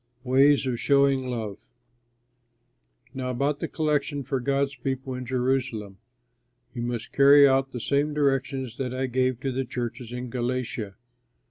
WAYS OF SHOWING LOVE Now about the collection for God's people in Jerusalem, you must carry out the same directions that I gave to the churches in Galatia.